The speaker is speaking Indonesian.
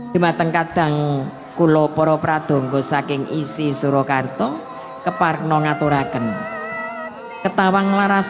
jumateng kadang kulo poro pradunggo saking isi suruh karto kepark nongaturakan ketawang laras